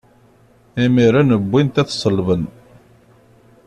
Imiren wwin-t ad t-ṣellben.